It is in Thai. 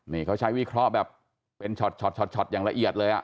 นี่เขาใช้วิเคราะห์แบบเป็นช็อตอย่างละเอียดเลย